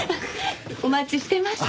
お待ちしてました。